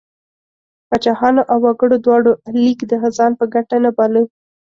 پاچاهانو او وګړو دواړو لیک د ځان په ګټه نه باله.